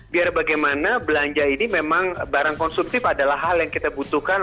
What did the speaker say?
biar bagaimana belanja ini memang barang konsumtif adalah hal yang kita butuhkan